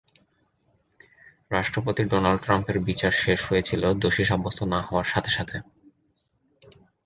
রাষ্ট্রপতি ডোনাল্ড ট্রাম্পের বিচার শেষ হয়েছিল দোষী সাব্যস্ত না হওয়ার সাথে সাথে।